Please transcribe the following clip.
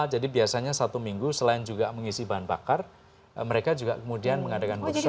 jadi biasanya satu minggu selain juga mengisi bahan bakar mereka juga kemudian mengadakan workshop